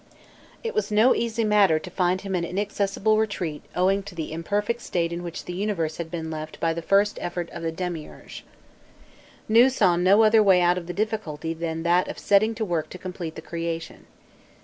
It was no easy matter to find him an inaccessible retreat owing to the imperfect state in which the universe had been left by the first effort of the demiurge. Nû saw no other way out of the difficulty than that of setting to work to complete the creation.